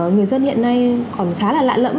người dân hiện nay còn khá là lạ lẫm